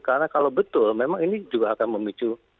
karena kalau betul memang ini juga akan memicu